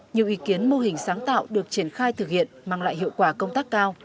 nhiều ý kiến mô hình sáng tạo được triển khai thực hiện mang lại hiệu quả công tác cao